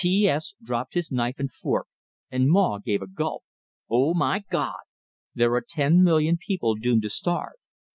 T S dropped his knife and fork, and Maw gave a gulp. "Oh, my Gawd!" "There are ten million people doomed to starve.